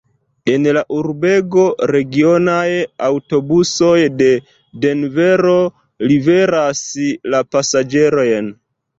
En la urbego regionaj aŭtobusoj de Denvero liveras la pasaĝerojn.